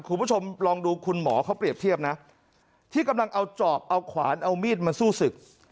คุณผู้ชมลองดูคุณหมอเขาเปรียบเทียบนะที่กำลังเอาจอบเอาขวานเอามีดมาสู้ศึก